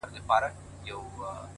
o ټول عمر ښېرا کوه دا مه وايه،